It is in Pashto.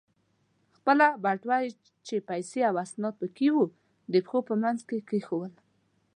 خپله بټوه چې پیسې او اسناد پکې و، د پښو په منځ کې کېښوول.